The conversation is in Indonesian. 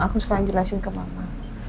aku sekarang jelasin ke mama